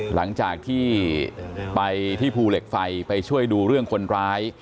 หลังจากที่ไปที่ภูเหล็กไฟไปช่วยดูเรื่องคนร้าย